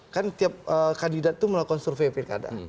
dan tiap kandidat itu melakukan survei pilkada